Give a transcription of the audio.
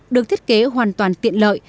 được thiết kế hoàn toàn tiện lợi